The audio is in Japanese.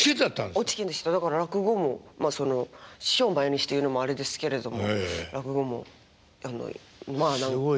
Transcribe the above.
だから落語もまあその師匠前にして言うのもあれですけれども落語もまあ何となくは。